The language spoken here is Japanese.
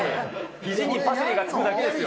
ひじにパセリがつくだけですよ。